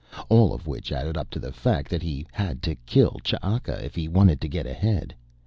All of which added up to the fact that he had to kill Ch'aka if he wanted to get ahead.